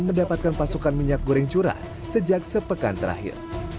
mendapatkan pasokan minyak goreng curah sejak sepekan terakhir